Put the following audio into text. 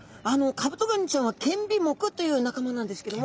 カブトガニちゃんは剣尾目という仲間なんですけども。